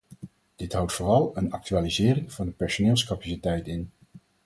Dit houdt vooral een actualisering van de personeelscapaciteit in.